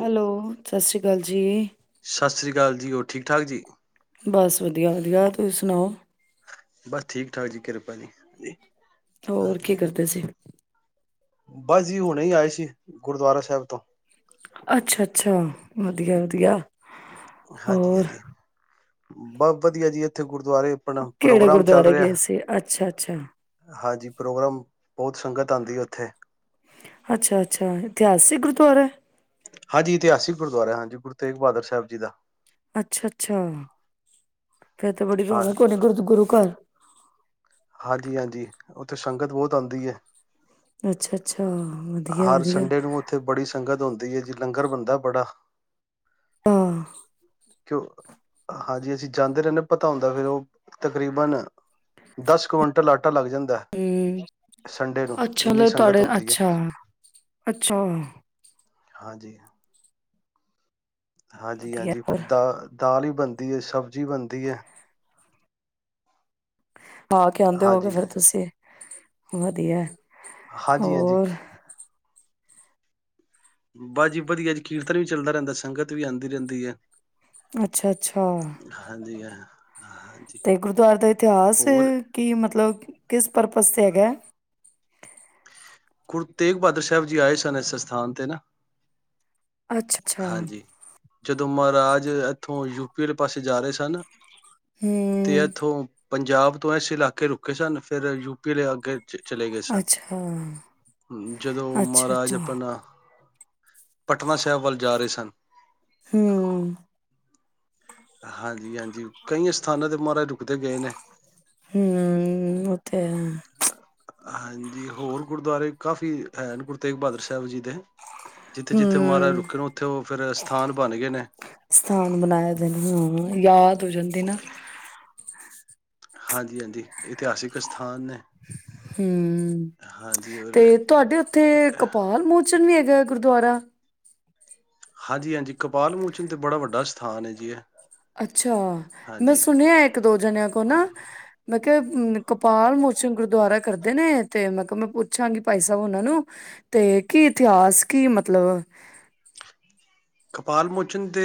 Hello ਸਤਿ ਸ਼੍ਰੀ ਗੱਲ ਜੀ, ਸਤਿ ਸ੍ਰੀ ਅਕਾਲ ਜੀ ਹੋਰ ਠੀਕ ਠਾਕ ਜੀ, ਬਸ ਵਧੀਆ ਵਧੀਆ ਤੁਸੀਂ ਸੁਣਾਓ। ਬਸ ਠੀਕ ਠਾਕ ਜੀ ਕਿਰਪਾ ਜੀ, ਹੋਰ ਕੀ ਹਾਂਜੀ ਕਰਦੇ ਸੀ। ਬਸ ਜੀ ਹੁਣੇ ਹੀ ਆਏ ਸੀ ਗੁਰਦੁਆਰਾ ਸਾਹਿਬ ਤੋਂ, ਅੱਛਾ-ਅੱਛਾ, ਵਧੀਆ-ਵਧੀਆ, ਹਾਂਜੀ-ਹਾਂਜੀ, ਬਹੁਤ ਵਧੀਆ ਜੀ ਇੱਥੇ ਗੁਰ ਕਿਹੜੇ ਗੁਰਦੁਆਰੇ ਗਏ ਸੀ, ਅੱਛਾ-ਅੱਛਾ ਹਾਂਜੀ ਪ੍ਰੋਗਰਾਮ ਬਹੁਤ ਸੰਗਤ ਆਦੀ ਹੈ ਉੱਥੇ, ਅੱਛਾ-ਅੱਛਾ ਇਤਿਹਾਸਿਕ ਗੁਰਦੁਆਰਾ ਹੈ। ਹਾਂਜੀ ਇਤਿਹਾਸਿਕ ਗੁਰਦੁਆਰਾ ਹਾਂਜੀ ਗੁਰੂ ਤੇਗ ਬਹਾਦਰ ਸਾਹਿਬ ਜੀ ਦਾ, ਅੱਛਾ-ਅੱਛਾ, ਫੇਰ ਤਾਂ ਬੜੀ ਹਾਂ ਰੋਣਕ ਹੋਣੀ ਗੁਰ ਗੁਰੂ ਘਰ, ਹਾਂਜੀ-ਹਾਂਜੀ ਉੱਥੇ ਸੰਗਤ ਬਹੁਤ, ਆਦੀ ਹੈ। ਅੱਛਾ ਅੱਛਾ ਵਧੀਆ ਹਰ ਵਧੀਆ ਸੰਡੇ ਨੂੰ ਉੱਥੇ ਬੜੀ ਸੰਗਤ ਹੁੰਦੀ ਹੈ। ਲੰਗਰ ਬਣਦਾ ਬੜਾ, ਆਹ, ਕਿਉ ਹਾਂਜੀ ਅਸੀਂ ਜਾਂਦੇ ਰਹਿੰਦੇ ਪਤਾ ਹੁੰਦਾ ਫਿਰ ਉਹ ਤਕਰੀਬਨ, ਦਸ ਕੁਇੰਟਲ ਆਟਾ ਲੱਗ ਜਾਂਦਾ ਹੂੰ ਸੰਡੇ ਨੂੰ ਅੱਛਾ ਇੰਨੀ ਮਤਲਬ ਸੰਗਤ ਤੁਹਾਡੇ ਹੁੰਦੀ ਹੈ ਅੱਛਾ ਅੱਛਾ ਵਧੀਆ ਹਾਂਜੀ ਹਾਂਜੀ ਹਾਂਜੀ ਹੋਰ ਫਿਰ ਦ ਦ ਹੀ ਬਣਦੀ ਹੈ ਸਬਜ਼ੀ ਬਣਦੀ ਹੈ ਹਾਂ ਕ ਆਉਂਦੇ ਹੋਗੇ ਹਾਂਜੀ। ਫੇਰ ਤੁਸੀਂ ਵਧੀਆ ਹਾਂਜੀ ਹਾਂਜੀ ਹੋਰ ਬਾਜੀ ਵਧੀਆ ਜੀ ਕੀਰਤਨ ਵੀ ਚੱਲਦਾ ਰਹਿੰਦਾ ਸੰਗਤ ਵੀ ਆਉਂਦੀ ਰਹਿੰਦੀ ਹੈ ਅੱਛਾ ਅੱਛਾ ਹਾਂਜੀ ਹਾਂ ਹਾਂਜੀ ਤੇ ਗੁਰਦੁਆਰੇ ਦਾ ਇਤਿਹਾਸ ਹੋਰ ਕੀ ਮਤਲਬ ਕਿਸ ਪਰਪਜ ਤੇ ਹੈਗਾ ਗੁਰੂ ਤੇਗ ਬਹਾਦਰ ਸਾਹਿਬ ਜੀ ਆਏ ਸਨ ਇਸ ਅਥਾਨ ਤੇ ਨਾ ਅੱਛਾ-ਅੱਛਾ। ਹਾਂਜੀ ਜਦੋਂ ਮਹਾਰਾਜ ਇੱਥੋਂ ਯੂ ਪਲੇ ਪਾਸੇ ਜਾ ਰਹੇ ਸਨ ਤੇ ਹਮ ਇੱਥੋਂ ਪੰਜਾਬ ਤੋਂ ਇਸ ਇਲਾਕੇ ਰੁਕੇ ਸਨ ਫਿਰ ਯੂਪੀ ਲ ਆਗੇ ਚ ਚਲੇ ਗਏ ਸਨ ਅੱਛਾ-ਅੱਛਾ-ਅੱਛਾ। ਜਦੋਂ ਮਹਾਰਾਜ ਆਪਣਾ ਪਟਨਾ ਸਾਹਿਬ ਵੱਲ ਜਾ ਰਹੇ ਸਨ ਹਮ ਹਾਂਜੀ ਹਾਂਜੀ ਕਈਆਂ ਸਥਾਨਾਂ ਤੇ ਮਹਾਰਾਜ ਰੁਕਦੇ ਗਏ ਨੇ ਹਮ ਉਹ ਤੇੇ ਹਾਂਜੀ ਹੋਰ ਗੁਰਦੁਆਰੇ ਕਾਫੀ ਹੈ ਗੁਰੂ ਤੇਗ ਬਹਾਦਰ ਸਾਹਿਬ ਜੀ ਦੇ ਜਿੱਥੇ ਜਿੱਥੇ ਮਹਾਰਜ ਹੂੰ। ਰੁਕੇ ਨੇ ਉੱਥੇ ਉਹ ਫਿਰ ਸਥਾਨ ਬਣ ਗਏ ਨੇ ਹਮ ਯਾਦ ਹੋ ਜਾਂਦੇ ਨਾ ਹਾਂਜੀ ਹਾਂਜੀ ਇਤਿਹਾਸਿਕ ਅਥਾਨ ਨੇ ਹਮ ਹਾਂਜੀ ਔਰ ਤੇ ਤੁਹਾਡੇ ਉੱਥੇ ਕਪਾਲ ਮੋਚਨ ਵੀ ਹੈ ਗੁਰਦੁਆਰਾ ਹਾਂਜੀ ਹਾਂਜੀ ਕਪਾਲ ਮੋਚਨ ਤੇ ਬੜਾ ਵੱਡਾ ਸਥਾਨ ਹੈ ਜੀ ਇਹ ਅੱਛਾ ਮੈਂ ਹਾਂਜੀ ਸੁਣਿਆ ਇੱਕ ਦੋ ਜਣਿਆਂ ਕੋ ਨਾ ਮ [unintelligible] ਕਪਾਲ ਮੋਸਮ ਗੁਰਦੁਆਰਾ ਕਰਦੇ ਨੇ ਤੇ ਮੈਂ ਮੈਂ ਪੁੱਛਾਂਗੀ ਭਾਈ ਸਾਹਿਬ ਉਹਨਾਂ ਨੂੰ ਤੇ ਕੀ ਇਤਿਹਾਸ ਕੀ ਮਤਲਬ ਕਪਾਲ ਮੋਚਨ ਦੇ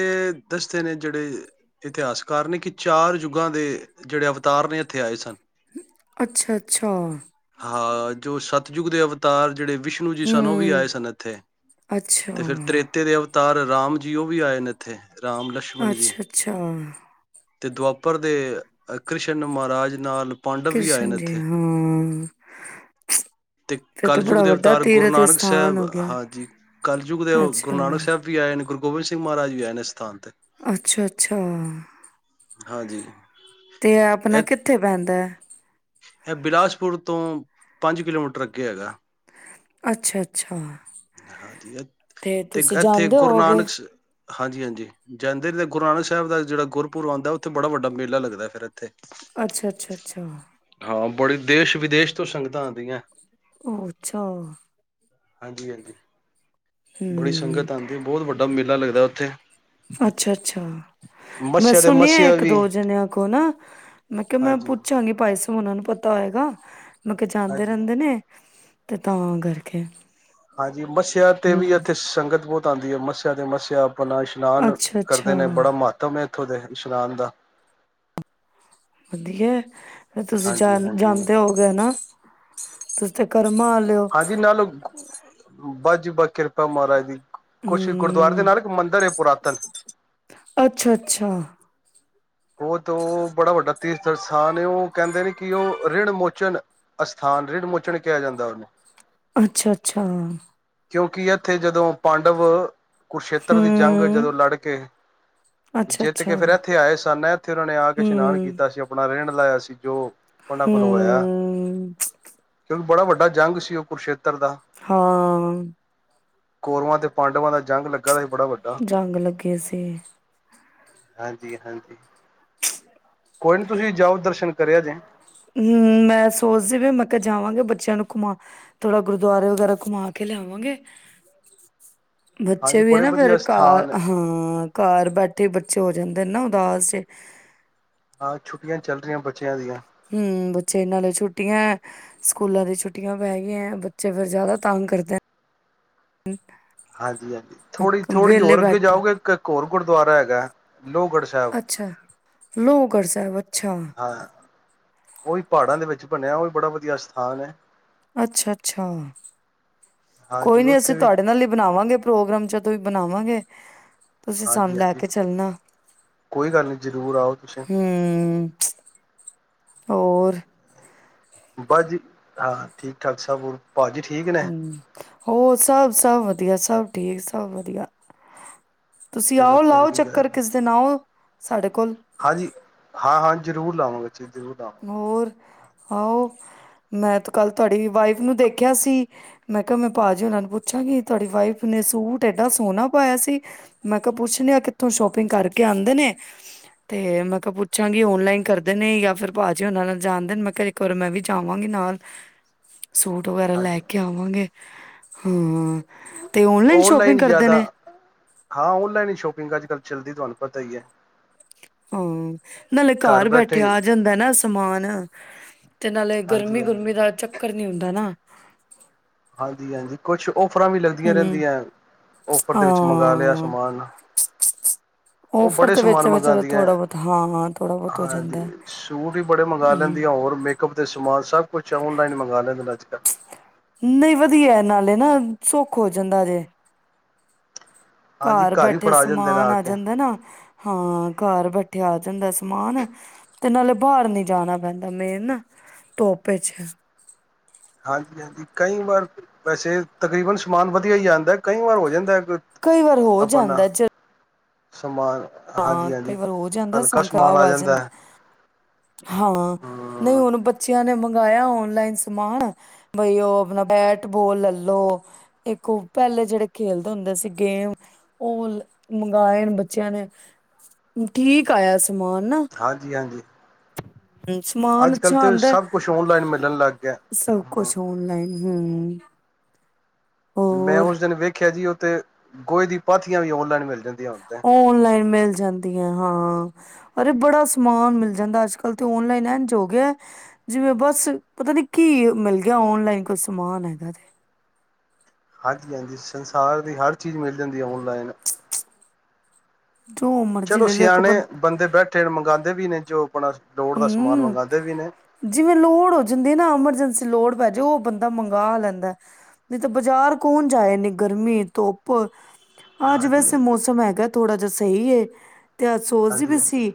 ਦੱਸਦੇ ਨੇ ਜਿਹੜੇ ਇਤਿਹਾਸਕਾਰ ਨੇ ਕਿ ਚਾਰ ਯੁੱਗਾਂ ਦੇ ਜਿਹੜੇ ਅਵਤਾਰ ਨੇ ਇੱਥੇ ਆਏ ਸਨ ਅੱਛਾ ਅੱਛਾ ਹਾਂ ਜੋ ਸਤਿਯੁੱਗ ਦੇ ਅਵਤਾਰ ਜਿਹੜੇ ਵਿਸ਼ਨੂੰ ਜੀ ਸਨ ਉਹ ਵੀ ਹੂੰ ਆਏ ਸਨ ਇੱਥੇ ਅੱਛਾ ਤੇ ਫਿਰ ਤਰੇਤੇ ਦੇ ਅਵਤਾਰ ਰਾਮ ਜੀ ਉਹ ਵੀ ਆਏ ਨੇ ਇੱਥੇ ਰਾਮ ਲਛਮਣ ਜੀ ਅੱਛਾ ਅੱਛਾ ਤੇ ਦੁਆਪਰ ਦੇ ਕ੍ਰਿਸ਼ਨ ਮਹਾਰਾਜ ਨਾਲ ਪਾਂਡਵ ਵੀ ਆਏ ਨੇ ਕ੍ਰਿਸ਼ਨ ਜੀ ਇੱਥੇ ਹਾਂ ਤੇ ਫਿਰ ਤਾਂ ਕਲਯੁਗ ਬੜਾ ਦੇ ਵੱਡਾ ਅਵਤਾਰ ਗੁਰੂ ਤੀਰਥ ਨਾਨਕ ਸਥਾਨ ਸਾਹਿਬ ਹੋ ਗਿਆ ਹਾਂਜੀ ਕਲਯੁਗ ਦੇ ਗੁਰੂ ਅੱਛਾ ਨਾਨਕ ਸਾਹਿਬ ਵੀ ਆਏ ਨੇ ਗੁਰੂ ਗੋਿੰਦ ਸਿੰਘ ਮਹਾਜ ਵੀ ਐ ਅੱਛਾ ਅੱਛਾ ਹਾਂਜੀ ਤੇ ਆਪਣਾ ਇਹ ਕਿੱਥੇ ਪੈਂਦਾ ਹੈ ਇਹ ਬਿਲਾਸਪੁਰ ਤੋਂ ਪੰਜ ਕਿਲੋਮੀਟਰ ਅੱਗੇ ਹੈਗਾ ਅੱਛਾ ਅੱਛਾ ਹਾਂਜੀ ਤੇ ਤੁਸੀਂ ਇੱਥੇ ਜਾਣਦੇ ਗੁਰੂ ਹੋਵੋਗੇ ਨਾਨਕ ਹਾਂਜੀ ਹਾਂਜੀ ਜਾਂਦੇੀ ਗੁਰ ਨਾਨਕ ਸਾਹਿਬ ਦਾ ਜਿਹੜਾ ਗੁਰਪੁਰ ਆਉਂਦਾ ਉੱਥੇ ਬੜਾ ਵੱਡਾ ਮੇਲਾ ਲੱਗਦਾ ਫਿਰ ਇੱਥੇ ਅੱਛਾ ਅੱਛਾ ਅੱਛਾ ਹਾਂ ਬੜੀ ਦੇਸ਼ ਵਿਦੇਸ਼ ਤੋਂ ਸੰਗਤਾਂ ਆਉਂਦੀਆਂ ਅੱਛਾ ਹਾਂਜੀ ਹਾਂਜੀ ਬੜੀ ਹਮ ਸੰਗਤ ਆਉਂਦੀ ਬਹੁਤ ਵੱਡਾ ਮਿਲ ਲਾ ਲੱਗਦਾ ਉੱਥੇ ਅੱਛਾ ਅੱਛਾ ਮੈਂ ਮੱਸਿਆ ਤੇ ਸੁਣਿਆ ਮੱਸਿਆ ਇੱਕ ਵੀ ਦੋ ਜਣਿਆਂ ਕੋਲ ਨਾ ਮੈਂ ਕਿਹਾ ਮੈਂ ਹਾਂਜੀ-ਹਾਂਜੀ। ਪੁੱਛਾਂਗੀ ਭਾਈ ਸ ਉਹਨਾ ਨੂੰ ਪਤਾ ਹੋਏਗਾ ਮਤਲਬ ਜਾਂਦੇ ਹਾਂਜੀ ਰਹਿੰਦੇ ਨੇ ਤੇ ਤਾਂ ਕਰਕੇ ਹਾਂਜੀ ਮੱਸਿਆ ਤੇ ਵੀ ਹਮ ਇੱਥੇ ਸੰਗਤ ਬਹੁਤ ਆਉਂਦੀ ਹੈ ਮੱਸਿਆ ਤੇ ਮੱਸਿਆ ਆਪਣਾ ਇਸ਼ਨਾਨ ਅੱਛਾ ਕਰਦੇ ਅੱਛਾ ਨੇ ਬੜਾ ਮਹਤਵਮ ਹੈ ਉਥੋਂ ਦੇ ਇਸ਼ਨਾਨ ਦਾ ਵਧੀਆ ਤੁਸੀਂ ਜਾਣ ਹਾਂਜੀ-ਹਾਂਜੀ। ਹਾਂਜੀ ਜਾਂਦੇ ਹੋਗੇ ਨਾ ਤੁਸੀ ਤੇ ਕ ਹਾਂਜੀ ਨਾਲ ਜੀ ਕਿਰਪਾ ਮਹਾਰਾਜ ਦੀ ਕੁਛ ਗੁਰਦੁਆਰੇ ਦੇ ਹਮ ਨਾਲ ਇੱਕ ਮੰਦਿਰ ਪੁਰਾਤਨ ਅੱਛਾ ਅੱਛਾ ਉਹ ਤੋਂ ਬੜਾ ਵੱਡਾ ਤੀਰਥ ਸਥਾਨ ਉਹ ਕਹਿੰਦੇ ਨੇ ਕਿ ਉਹ ਰਿਿਣਮੋਚਨ ਅਸਥਾਨ ਰਿਿਣਮੋਚਨ ਕਿਹਾ ਜਾਂਦਾ ਉਹਨੂੰ ਅੱਛਾ ਅੱਛਾ ਕਿਉਂਕਿ ਇੱਥੇ ਜਦੋਂ ਪਾਂਡਵ ਕੁੁਰਸ਼ੇਤਰ ਦੀ ਜੰਗ ਜਦੋਂ ਹਮ ਲੜ ਕੇ ਅੱਛਾ ਜਿੱਤ ਕੇ ਅੱਛਾ ਫੇਿਰ ਇੱਥੇ ਆਏ ਸੀ [inaudible] ਇੱਥੇ ਉਹਨਾਂ ਨੇ ਆ ਕੇ ਇਸ਼ਨਾਨ ਹਮ ਕੀਤਾ ਸੀ ਆਪਣਾ ਰਹਿਣ ਲਾਇਆ ਸੀ ਜੋ ਉਹਨਾਂ ਕੋਲ ਹੋਇਆ ਹਮ ਕਿਉਂਕਿ ਬੜਾ ਵੱ ਜੰਗ ਸੀ ਉਹ ਕੁਰਸ਼ੇਤਰ ਦਾ ਹਾਂ। ਕੋਰਵਾਂ ਤੇ ਪਾਂਡਵਾਂ ਦਾ ਜੰਗ ਲੱਗਾ ਬੜਾ ਵੱਡਾ ਜੰਗ ਲੱਗੀ ਸੀ। ਹਾਂਜੀ ਹਾਂਜੀ। [inaudible] ਕੋਈ ਨੀ ਤੁਸੀਂ ਜਾਓ ਦਰਸ਼ਨ ਕਰਿਆ ਜੇ। ਹੂੰ ਮੈਂ ਸੋਚਦੀ ਵੀ ਮੈਂ ਕਿਹਾ ਜਾਵਾਂਗੇ ਬੱਚਿਆਂ ਨੂੰ ਘੁਮਾ ਥੋੜਾ ਗੁਰਦੁਆਰੇ ਵਗੈਰਾ ਘੁਮਾ ਕੇ ਲਿਆਵਾਂਗੇ। ਬੱਚੇ ਹਾਂਜੀ ਵੀ ਬੜੇ ਹਨਾ ਫੇਰ ਵਧੀਆ ਘਰ ਸਥਾਨ ਹੈ ਹਾਂ ਘਰ ਬੈਠੇ ਬੱਚੇ ਹੋ ਜਾਂਦੇ ਨਾ ਉਦਾਸ ਜੇ ਹਾਂ, ਛੁੱਟੀਆਂ ਚੱਲ ਰਹੀਆਂ ਬੱਚੇ ਹੂੰ ਬੱਚੇ ਨਾਲੇ ਛੁੱਟੀਆਂ। ਸਕੂਲਾਂ ਦੀਆਂ ਛੁੱਟੀਆਂ ਪੈ ਗਈਆਂ ਬੱਚੇ ਫਿਰ ਜ਼ਿਆਦਾ ਤੰਗ ਕਰਦਾ। ਹਾਂਜੀ ਹਾਂਜੀ, ਥੋੜੀ ਥੋੜੀ ਵਿਹਲੇ ਹੋਰ ਅੱਗੇ ਬੈਠੇ ਜਾਓਗੇ ਇੱਕ ਹੋਰ ਗੁਰਦੁਆਰਾ ਹੈਗਾ। ਲੋਹਗੜ੍ਹ ਸਾਹਿਬ ਅੱਛਾ ਲੋਹਗੜ੍ਹ ਸਾਹਿਬ। ਅੱਛਾ। ਹਾਂ, ਉਹੀ ਪਹਾੜਾਂ ਦੇ ਵਿੱਚ ਬਣਿਆ ਉਹ ਬੜਾ ਵਧੀਆ ਸਥਾਨ ਐ। ਅੱਛਾ ਅੱਛਾ, ਕੋਈ ਹਾਂਜੀ ਨੀ ਉੱਥੇ ਅਸੀਂ ਵੀ ਤੁਹਾਡੇ ਨਾਲ ਹੀ ਬਣਾਵਾਂਗੇ ਪ੍ਰੋਗਰਾਮ ਜ ਤੋਂਂ ਬਣਾਵਾਂਗੇ। ਤੁਸੀਂ ਸਾਨੂੰ ਹਾਂਜੀ ਲੈ ਹਾਂਜੀ ਕੇ ਚੱਲਣਾ ਕੋਈ ਗੱਲ ਨਹੀਂ ਜ਼ਰੂਰ ਆਓ ਤੁਸੀਂ ਹੂੰ। ਹੋਰ ਬਸ ਜੀ ਹਾਂ ਠੀਕ ਠਾਕ ਸਭ ਹੋਰ ਭਾਜੀ ਠੀਕ ਨੇ। ਹਮ ਹੋਰ ਸਭ ਸਭ ਵਧੀਆ ਸਭ ਠੀਕ ਸਭ ਵਧੀਆ। ਤੁਸੀਂ ਚਲੋ ਆਓ ਲਾਓ ਚੰਗੀ ਗੱਲ ਚੱਕਰ ਕਿਸ ਦਿਨ ਆਓ। ਸਾਡੇ ਕੋਲ ਹਾਂਜੀ, ਹਾਂ ਹਾਂ। ਜ਼ਰੂਰ ਲਾਵਾਂਗੇ। ਜੀ ਜ਼ਰੂਰ ਲਾਵਾਂਗੇ ਹੋਰ। ਆਹੋ, ਮੈਂ ਤੇ ਕੱਲ ਤੁਹਾਡੀ ਵਾਈਫ ਨੂੰ ਦੇਖਿਆ ਸੀ। ਮੈਂ ਕਿਹਾ ਮੈਂ ਭਾਜੀ ਉਨਾ ਨੂੰ ਪੁੱਛਾਂਗੀ ਤੁਹਾਡੀ ਵਾਈਫ ਨੇ ਸੂਟ ਏਡਾ ਸੋਣਾ ਪਾਇਆ ਸੀ। ਮੈਂ ਕਿਹਾ ਪੁੱਛਣੇ ਆ ਕਿੱਥੋਂ ਸ਼ੋਪਿੰਗ ਕਰਕੇ ਆਂਦੇ ਨੇ ਤੇ ਮੈਂ ਕਿਹਾ ਪੁੱਛਾਂਗੀ ਔਨਲਾਈਨ ਕਰਦੇ ਨੇ ਜਾਂ ਫਿਰ ਭਾਜੀ ਉਹਨਾਂ ਨਾਲ ਜਾਂਦੇ, ਮੈਂ ਕਿਆ ਇੱਕ ਵਾਰੀ ਮੈਂ ਵੀ ਜਾਵਾਂਗੀ ਨਾਲ। ਸੂਟ ਵਗੈਰਾ ਲੈ ਹਾਂਜੀ ਕੇ ਆਵਾਂਗੇ। ਹਾਂ। ਤੇ ਸ਼ੋਪਿੰਗ ਔਨਲਾਈਨ ਕਰਦੇ ਜ਼ਿਆਦਾ, ਨੇ ਹਾਂ ਔਨਲਾਈਨ ਹੀ ਸ਼ੋਪਿੰਗ ਅੱਜ ਕੱਲ ਚਲਦੀ ਤੁਹਾਨੂੰ ਪਤਾ ਹੀ ਹੈ। ਹਾਂ, ਨਾਲੇ ਘਰ ਬੈਠਿਆ ਆ ਜਾਂਦਾ ਨਾ ਸਮਾਨ। ਤੇ ਨਾਲੇ ਗਰਮੀ ਹਾਂਜੀ ਹਾਂਜੀ -ਗੁਰਮੀ ਦਾ ਚੱਕਰ ਨਹੀ ਹੁੰਦਾ ਨਾ ਹਾਂਜੀ -ਹਾਂਜੀ ਕੁਛ ਔਫਰਾਂ ਵੀ ਲੱਗਦੀਆਂ ਹਮ ਰਹਿੰਦੀਆਂ, ਔਫਰ ਦੇ ਵਿੱਚ ਮੰਗਾ ਲਿਆ ਹਾਂ ਸਮਾਨ, ਉਹ ਔਫਰ ਬੜੇ ਤੇ ਵਿੱਚ ਸਮਾਨ ਚਲੋ ਮੰਗਾਂਦੀ ਐ। ਥੋੜਾ ਬਹੁਤ ਹਾਂ ਥੋੜਾ ਬਹੁਤ ਹੋ ਹਾਂਜੀ, ਜਾਂਦਾ ਸੂਟ ਵੀ ਬੜੇ ਮੰਗਾ ਲੈਂਦੀ ਹਮ ਆਂ ਹੋਰ ਮੇਕਅਪ ਦੇ ਸਮਾਨ ਸਭ ਕੁਛ ਔਨਲਾਈਨ ਮੰਗਵਾ ਲੈਂ ਦੀ । ਨਹੀਂ, ਵਧੀਆ ਨਾਲੇ ਨਾ, ਸੁੱਖ ਹੋ ਜਾਂਦਾ ਏ। ਹਾਂਜੀ ਘਰ ਹੀ ਬੈਠੇ ਫੜਾ ਜਾਂਦੇ ਨੇ ਸਮਾਨ ਆ ਕੇ ਜਾਂਦਾ ਨਾ ਹਾਂ, ਘਰ ਬੈਠਿਆ ਆ ਜਾਂਦਾ ਸਮਾਨ, ਤੇ ਨਾਲੇ ਬਾਰ ਨੀ ਜਾਣਾ ਪੈਂਦਾ। ਮੇਨ ਨਾ ਧੁੱਪ ਵਿੱਚ ਹਾਂਜੀ -ਹਾਂਜੀ ਕਈ ਵਾਰ ਵੈਸੇ ਤਕਰੀਬਨ ਸਮਾਨ ਵਧੀਆ ਹੀ ਆਉਂਦਾ । ਕਈ ਵਾਰ ਹੋ ਜਾਂਦਾ ਹੈ ਕਈ ਵਾਰ ਹੋ ਆਪਣਾ ਜਾਂਦਾ ਸਮਾਨ ਹਾਂ, ਹਾਂਜੀ ਕਈ ਹਾਂਜੀ ਵਾਰ ਹੋ ਜਾਂਦਾ ਸਮਾਨ ਖਰਾਬ ਆ ਜਾਂਦਾ। ਹਾਂ, ਨਹੀਂ ਹਮ ਹੁਣ ਬੱਚਿਆਂ ਨੇ ਮੰਗਾਇਆ ਔਨਲਾਈਨ ਸਮਾਨ ਬਈ ਉਹ ਆਪਣਾ ਬੈਟ -ਬੋਲ ਲੈਲੋ, ਇੱਕ ਉਹ ਪਹਿਲੇ ਜਿਹੜੇ ਖੇਲਦੇ ਹੁੰਦੇ ਸੀ ਗੇਮ ਔ ਮੰਗਾਏ ਬੱਚਿਆਂ ਨੇ ਠੀਕ ਆਇਆ ਸੀ। ਹਾਂਜੀ- ਹਾਂਜੀ। ਹਮ ਸਮਾਨ ਅੱਜ ਕੱਲ੍ਹ ਅੱਛਾ ਤਾਂ ਆਂਦਾ। ਸਭ ਕੁਛ ਔਨਲਾਈਨ ਮਿਲਣ ਲੱਗ ਗਿਆ ਸਭ ਹਮ ਕੁਛ ਔਨਲਾਈਨ। ਹੁੰ। ਮੈਂ ਔਸ ਦਿਨ ਵੇਖਿਆ ਸੀ। ਤੇ ਗੋਹੇ ਦੀ ਪਾਥੀਆਂ ਵੀ ਔਨਲਾਈਨ ਮਿਲ ਜਾਂਦੀਆਂ ਹੁਣ ਤੇ ਔਨਲਾਈਨ ਮਿਲ ਜਾਂਦੀਆਂ। ਹਾਂ, ਅਰੇ ਬੜਾ ਸਮਾਨ ਮਿਲ ਜਾਂਦਾ ਅੱਜ ਕਲ ਤੇ ਔਨਲਾਈਨ ਇੰਜ ਹੋ ਗਿਆ, ਜਿਵੇਂ ਬਸ, ਪਤਾ ਨੀ ਕੀ ਐ ਮਿਲ ਗਿਆ ਔਨਲਾਈਨ ਕੋਈ ਸਮਾਨ। ਹਾਂਜੀ- ਹਾਂਜੀ, ਸੰਸਾਰ ਦੀ ਹਰ ਚੀਜ਼ ਮਿਲ ਜਾਂਦੀ ਹੈ ਔਨ ਲਾਈਨ ਜੋ ਮਰਜ਼ੀ ਚਲੋ ਲੈ ਲਓ ਇੱਕ ਸਿਆਣੇ ਬੰਦੇ ਬੈਠੇ ਨੇ ਮੰਗਾਂਦੇ ਵੀ ਨੇ ਜੋ ਆਪਣਾ ਲੋੜ ਦਾ ਸਮਾਨ ਹਮ। ਮੰਗਵਾਉਂਦੇ ਵੀ ਨੇ ਜਿਵੇਂ ਲੋੜ ਹੋ ਜਿੰਦੇ ਨਾ ਐਮਰਜੈਂਸੀ ਲੋੜ ਪੈ ਜੇ ਉਹ ਬੰਦਾ ਮੰਗਵਾ ਲੈਂਦਾ ਨਹੀਂ ਤਾਂ ਬਾਜ਼ਾਰ ਕੌਣ ਜਾਏ ਨੇ ਗਰਮੀ ਧੁੱਪ ਅੱਜ ਹਾਂਜੀ ਵੈਸੇ ਹਾਂਜੀ ਮੌਸਮ ਹੈਗਾ ਥੋੜਾ ਜਾ ਸਹੀ ਹੈ। ਤੇ ਸੋਚ ਦੀ ਵੀ ਹਾਂਜੀ ਹਾਂਜੀ ਸੀ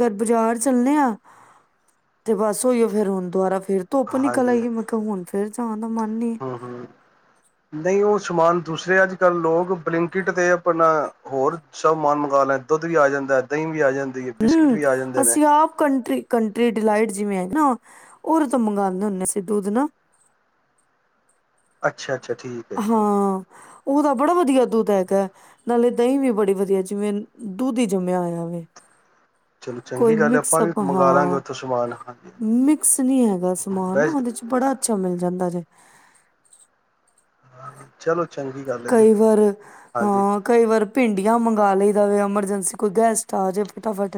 ਗਰ ਬਾਜ਼ਾਰ ਚੱਲਣੇ ਆਾਂ [unintelligible] ਤੇ ਬਸ ਉਹੀਓ ਫੇਰ ਹੁਣ ਦੁਬਾਰਾ ਧੁੱਪ ਨਿਕਲ ਆਈ ਤਾ ਹੁਣ ਫਿਰ ਹਮ ਹਮ ਨਹੀਂ ਉਹ ਸਮਾਨ ਦੂਸਰੇ ਅੱਜ ਕੱਲ੍ਹ ਲੋਕ ਬਲਿੰਕਟ ਤੇ ਆਪਣਾ ਹੋਰ ਸਭ ਮਾਨ ਮੰਗਵਾ ਲੈਂ ਦੁੱਧ ਵੀ ਆ ਜਾਂਦਾ ਦਹੀਂ ਵੀ ਆ ਜਾਂਦਾ ਹਮ ਅਸੀਂ ਆਪ ਕੰਟ ਕੰਟਰੀ ਡਿਲਾਈਟ ਜਿਵੇਂ ਹੈ ਨਾ ਉਹਦੇ ਤੋਂ ਮੰਗਵਾਉਂਦੇ ਹੁੰਦੇ ਸੀਂ ਦੁੱਧ ਨਾ ਅੱਛਾ ਅੱਛਾ ਠੀਕ ਹੈ ਹਾਂ ਉਹ ਤਾਂ ਬੜਾ ਵਧੀਆ ਦੁੱਧ ਹੈਗਾ ਨਾਲੇ ਦਹੀਂ ਵੀ ਬੜੀ ਵਧੀਆ ਜਿਵੇਂ ਦੁੱਧ ਹੀ ਜੰਮਿਆ ਹੋਇਆ ਹੈ ਚਲੋ ਕੋਈ ਚੰਗੀ ਗੱਲ ਹੈ ਆਪਾਂ ਵੀ ਮਿਕਸਪ ਮੰਗਵਾ ਲਾਂਗੇ ਹਾਂ ਉੱਥੋਂ ਸਮਾਨ ਹਾਂਜੀ ਮਿਕਸ ਨੀ ਹੈਗਾ ਸਮਾਨ ਨਾ ਬਸ ਉਹਦੇ ਚ ਬੜਾ ਅੱਛਾ ਮਿਲ ਜਾਂਦਾ ਜੇ ਹਾਂ ਚਲੋ ਚੰਗੀ ਗੱਲ ਹੈ ਜੀ ਕਈ ਵਾਰ ਹਾਂਜੀ ਹਾਂ ਕਈ ਵਾਰ ਭਿੰਡੀਆਂ ਮੰਗਵਾ ਲਈ ਜਾਵੇ ਐਮਰਜਸੀ ਅਸੀਂ ਕੋਈ ਗੈਸਟ ਆ ਜਵੇ ਫਟਾਫਟ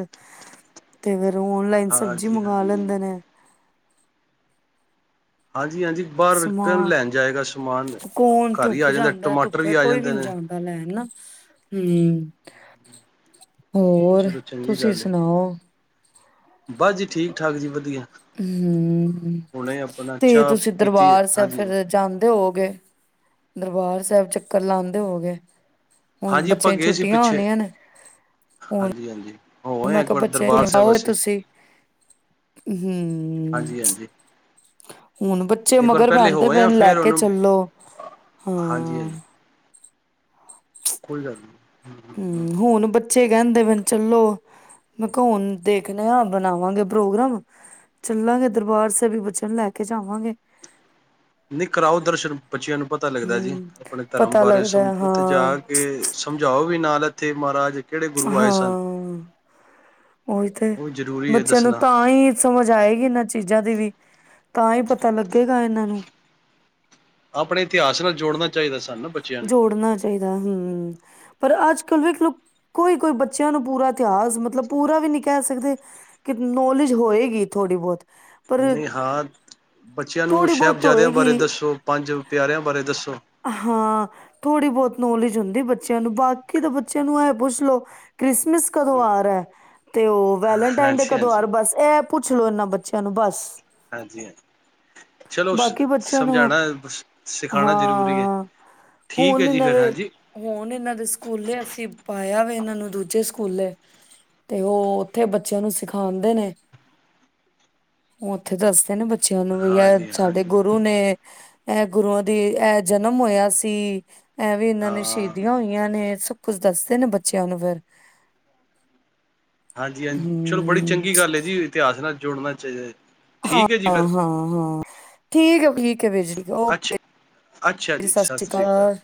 ਤੇ ਫੇਿਰ ਓਨਲਾਈਨ ਸਬਜ਼ੀ ਹਾਂਜੀ ਮੰਗਵਾ ਹਾਂਜੀ ਲੈਂਦੇ ਨੇ ਹਾਂਜੀ ਹਾਂਜੀ ਬਾਹਰ ਸਮਾਨ ਲੈਣ ਜਾਏਗਾ ਸਮਾਨ ਕੌਣ ਘਰ ਹੀ ਧੁੱਪ ਆ ਜਾਂਦਾ ਟਮਾਟਰ ਵੀ ਧੁੱਪੇ ਆ ਕੋਈ ਜਾਂਦੇ ਨਹੀਂ ਨੇ ਜਾਂਦਾ ਲੈਣ ਨਾ [inaudible] ਹੋਰ ਚਲੋ ਚੰਗੀ ਤੁਸੀਂ ਗੱਲ ਹੈ ਸੁਣਾਓ ਬਸ ਜੀ ਠੀਕ ਠਾਕ ਜੀ ਵਧੀਆ ਹਮ ਹੁਣੇ ਆਪਣਾ ਤੇ ਚਾਹ ਤੁਸੀਂ ਪੀਤੀ ਦਰਬਾਰ ਸਾਹਿਬ ਹਾਂਜੀ ਫਿਰ ਜਾਂਦੇ ਹੋਗੇ ਦਰਬਾਰ ਸਾਹਿਬ ਚੱਕਰ ਲਾਉਂਦੇ ਹੋ ਗਏ ਹਾਂਜੀ ਆਪਾਂ ਗਏ ਸੀ ਪਿੱਛੇ ਹੁਣ ਹਾਂਜੀ ਹਾਂਜੀ ਹੋ ਆਏ ਮੈਂ ਇੱਕ ਕਿਹਾ ਵਾਰ ਦਰਬਾਰ ਸਾਹਿਬ ਬੱਚੇਓ ਅਸੀਂ ਤੁਸੀਂ ਹਮ ਹਾਂਜੀ ਹਾਂਜੀ [inaudible] ਹੁਣ ਬੱਚੇ ਇੱਕ ਵਾਰ ਮਗਰ ਪਹਿਲੇ ਪੈਂਦੇ ਹੋ ਆਏ ਪਾਏ ਆ ਨੇ ਲਾ ਫੇਰ ਕ ਉਹਨੂੰ ਚਲੋ ਕੋੱਲ ਜਾਂ ਹਮ ਹਮ ਹਮ [inaudible] [inaudible] ਬੱਚੇ ਕਹਿੰਦੇ ਚਲੋ ਮੈਂ ਦੇਖਦੇ ਹੈ ਹੁਣ ਆ ਬਣਾਵਾਂਗੇ ਪ੍ਰੋਗਰਾਮ ਚੱਲਾਂਗੇ ਦਰਬਾਰ ਸਬੀ ਬਚਨ ਲੈ ਕੇ ਜਾਵਾਂਗੇ ਨੀ ਕਰਾਓ ਦਰਸ਼ਨ ਬੱਚਿਆਂ ਨੂੰ ਪਤਾ ਲੱਗਦਾ ਜੀ ਹਮ ਆਪਣੇ ਧਰਮ ਪਤਾ ਬਾਰੇ ਲੱਗਦਾ ਉੱਥੇ ਜਾ ਹਾਂ ਕੇ ਸਮਝਾਓ ਵੀ ਨਾਲ ਇੱਥੇ ਮਹਾਰਾਜ ਕਿਹੜੇ ਗੁਰੂ ਆਏ ਸਨ ਹਾਂ ਉਹੀ ਤੇ ਉਹ ਵੀ ਜ਼ਰੂਰੀ ਹੈ ਬੱਚਿਆਂ ਨੂੰ ਦੱਸਣਾ ਤਾਂ ਹੀ ਸਮਝ ਆਏਗੀ ਇਹਨਾਂ ਚੀਜ਼ਾਂ ਦੀ ਵੀ ਤਾਂ ਹੀ ਪਤਾ ਲੱਗੇਗਾ ਇਹਨਾਂ ਨੂੰ ਆਪਣੇ ਇਤਿਹਾਸ ਨਾਲ ਜੋੜਨਾ ਚਾਹੀਦਾ ਸੀ ਜੋੜਨਾ ਚਾਹੀਦਾ ਹਮ ਪਰ ਅੱਜ ਕੱਲ੍ਹ ਵੇਖਲੋ ਕੋਈ ਕੋਈ ਬੱਚਿਆਂ ਨੂੰ ਪੂਰਾ ਇਤਿਹਾਸ, ਮਤਲਬ ਪੂਰਾ ਵੀ ਨਹੀਂ ਕਹਿ ਸਕਦੇ, ਕਿ ਨੌਲੇਜ ਹੋਏਗੀ ਥੋੜ੍ਹੀ ਬਹੁਤ। ਪਰ ਨਹੀਂ ਹਾਂ, ਬੱਚਿਆਂ ਨੂੰ ਥੋੜ੍ਹੀ ਬਹੁਤ ਸੈ਼ਬਜ਼ਾਦਿਆਂ ਬਾਰੇ ਹੋਏਗੀ ਦੱਸੋ਼, ਪੰਜ ਪਿਆਰਿਆਂ ਬਾਰੇ ਦੱਸੋ। ਹਾਂ। ਥੋੜ੍ਹੀ ਬਹੁਤ ਨੌਲੇਜ ਹੁੰਦੀ ਬੱਚਿਆਂ ਨੂੰ। ਬਾਕੀ ਤਾਂ ਬੱਚਿਆਂ ਨੂੰ ਏਹ ਪੁੱਛ ਲਓ ਕ੍ਰਿਸਮਿਸ ਕਦੋਂ ਆ ਰਹਾ, ਤੇ ਉਹ ਵੈਲੇਨਟਾਈਨ ਡੇ ਹਾਂਜੀ ਹਾਂਜੀ ਕਦੋਂ ਆ ਰਹਾ। ਹਾਂਜੀ ਬਸ ਇਹ ਪੁ ਪੁੱਛ ਲੋ ਇਹਨਾਂ ਬੱਚਿਆਂ ਨੂੰ ਬਸ। ਹਾਂਜੀ ਹਾਂਜੀ, ਚਲ ਬਾਕੀ ਬੱਚਿਆਂ ਨੂੰ ਸ-ਸਮਝਾਉਣਾ ਸ-ਸਿਖਾਉਣਾ ਜ਼ਰੂਰੀ ਹੈ ਹਾਂ ਠੀਕ ਹੁਣ ਹੈ ਜੀ ਇਨਾਂ ਫਿਰ ਦੇ, ਹਾਂਜੀ ਹੁਣ ਇਨਾਂ ਦੇ ਸਕੂਲੇ ਅਸੀਂ ਪਾਇਆ ਵੇ ਇਨਾਂ ਨੂੰ ਦੂਜੇ ਸਕੂਲੇ, ਤੇ ਓ-ਓਥੇ ਬੱਚਿਆਂ ਨੂੰ ਸਿਖਾਂਦੇ ਨੇ। ਓਹ ਉੱਥੇ ਦੱਸਦੇ ਨੇ ਬ ਚਿਆਂ ਨੂੰ ਵੀ ਐ ਹਾਂਜੀ ਸਾਡੇ ਹਾਂਜੀ ਗੁਰੂ ਨੇ ਐਹ ਗੁਰੂਆਂ ਦੀ ਐਹ ਜਨਮ ਹੋਇਆ ਸੀ ਐ ਵੀ ਇਨਾਂ ਹਾਂ ਨੇ ਸ਼ਹੀਦੀਆਂ ਹੋਈਆਂ ਨੇ ਸਬ ਕੁਝ ਦੱਸਦੇ ਨੇ ਬੱਚਿਆਂ ਨੂੰ ਫਿਰ? ਹਾਂਜੀ ਹਾਂਜੀ, ਹਮ ਚਲੋ ਬੜੀ ਚੰਗੀ ਗੱਲ ਐ ਜੀ, ਇਤਿਹਾਸ ਨਾਲ ਜੁੜਨਾ ਚਾਈਦਾ ਜ ਹਾਂ, ਹਾਂ, ਹਾਂ। ਠੀਕ ਐ ਠੀਕ ਐ, ਵੀਰ ਜੀ ਅੱਛਾ ਓਕੇ ਜੀ, ਸਤਿ ਸ਼੍ਰੀ ਕਾਲ।